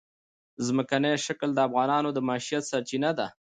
ځمکنی شکل د افغانانو د معیشت سرچینه ده.